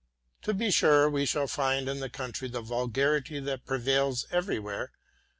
To be sure we shall find in the country the vulgarity that prevails everywhere.